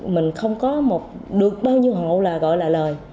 mình không có được bao nhiêu hộ là gọi là lời